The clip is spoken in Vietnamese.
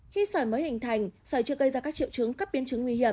khi sỏi mới hình thành sởi chưa gây ra các triệu chứng cấp biến chứng nguy hiểm